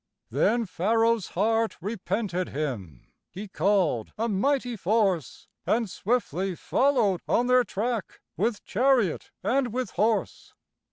Then Pharaoh's heart repented him; He called a mighty force, And swiftly followed on their track, With chariot and with horse.